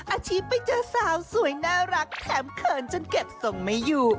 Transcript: อาชีพไปเจอสาวสวยน่ารักแถมเขินจนเก็บส่งไม่อยู่